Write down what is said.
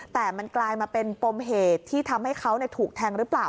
แต่มันกลายมาเป็นปมเหตุที่ทำให้เขาถูกแทงหรือเปล่า